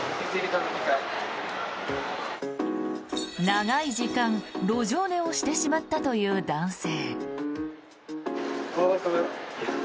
長い時間、路上寝をしてしまったという男性。